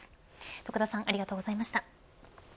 徳田さんありがとうございました。